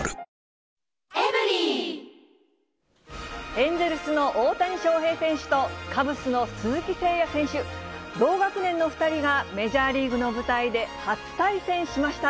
エンゼルスの大谷翔平選手と、カブスの鈴木誠也選手、同学年の２人がメジャーリーグの舞台で初対戦しました。